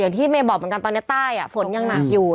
ที่เมย์บอกเหมือนกันตอนนี้ใต้ฝนยังหนักอยู่